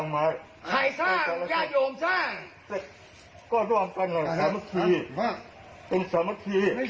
ไม่ใช่เหรอไม่ใช่เหรอ